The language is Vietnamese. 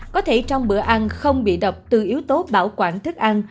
có thể trong bữa ăn không bị độc từ yếu tố bảo quản thức ăn